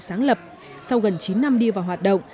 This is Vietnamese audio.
sáng lập sau gần chín năm đi vào hoạt động